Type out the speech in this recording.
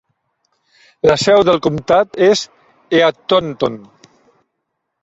La seu del comtat és Eatonton.